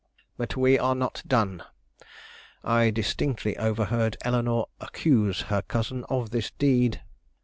"But we are not done. I distinctly overheard Eleanore accuse her cousin of this deed.